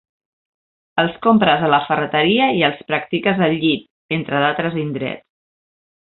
Els compres a la ferreteria i els practiques al llit, entre d'altres indrets.